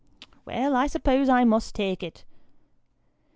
Well, I suppose I must take it."